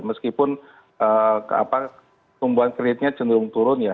meskipun tumbuhan kreditnya cenderung turun ya